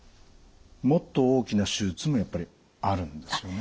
もっと大きな手術もやっぱりあるんですよね？